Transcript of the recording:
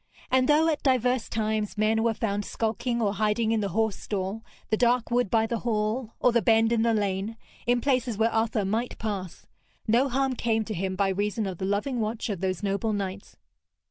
And though at divers times men were found skulking or hiding in the horse stall, the dark wood by the hall, or the bend in the lane, in places where Arthur might pass, no harm came to him by reason of the loving watch of those noble knights.